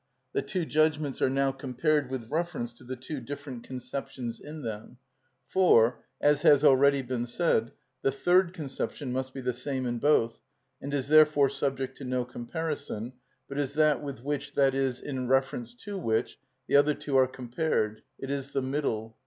The two judgments are now compared with reference to the two different conceptions in them; for, as has already been said, the third conception must be the same in both, and is therefore subject to no comparison, but is that with which, that is, in reference to which, the other two are compared; it is the middle.